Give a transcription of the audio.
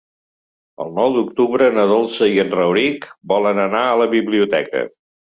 El nou d'octubre na Dolça i en Rauric volen anar a la biblioteca.